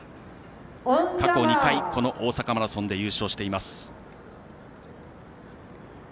過去２回、この大阪マラソンで優勝しています。